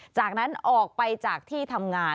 จากนั้นออกไปจากที่ทำงาน